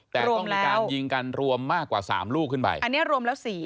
แต่ต้องมีการยิงกันรวมมากกว่าสามลูกขึ้นไปอันนี้รวมแล้วสี่